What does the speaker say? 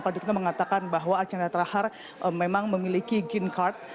prajuritno mengatakan bahwa archandra thakar memang memiliki gin card